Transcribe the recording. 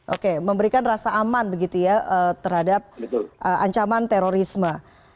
oke memberikan rasa aman begitu ya terhadap ancaman terorisme